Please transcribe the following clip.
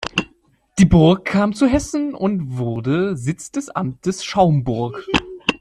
Die Burg kam zu Hessen und wurde Sitz des Amtes Schaumburg.